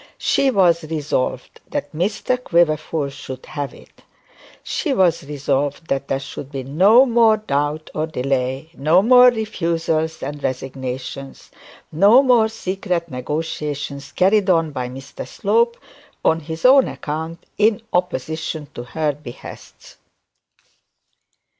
She was resolved that Mr Quiverful should have it. She was resolved that there should be no more doubt or delay; no more refusals and resignations, nor more secret negotiations carried on by Mr Slope on his own account in opposition to her behests.